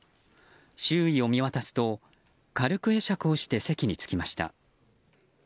周囲を見渡すと、軽く会釈をして席に着きました。